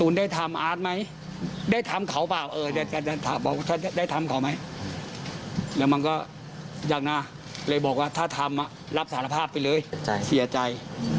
แล้วมันก็ยังนะเลยบอกว่าถ้าทำรับสารภาพไปเลยเสียใจ